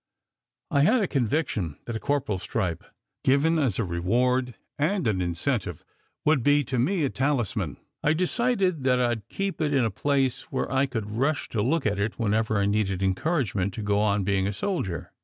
I had a conviction that a corporal s stripe, given as a reward and an incentive, would be to me a talisman. I decided that I d keep it in a place where I could rush to look at it whenever I needed encouragement to go on being a soldier.